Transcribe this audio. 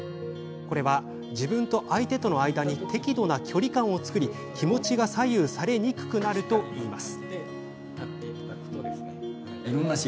自分と相手との間に適度な距離感を作り気持ちが左右されにくくなるといいます。